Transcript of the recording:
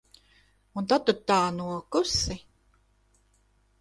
Un tad tu tā nokusi?